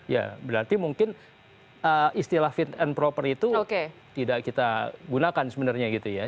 ya berarti mungkin istilah fit and proper itu tidak kita gunakan sebenarnya gitu ya